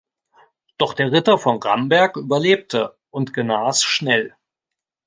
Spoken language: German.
Doch der Ritter von Ramberg überlebte und genas schnell.